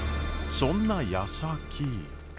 そんなやさき。